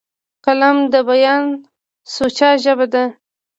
قلم د بیان سوچه ژبه ده